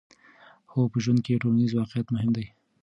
هو، په ژوند کې ټولنیز واقعیت مهم دی.